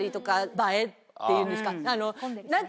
っていうんですか。